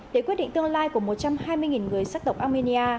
để quyết định tương lai của một trăm hai mươi người sắc tộc armenia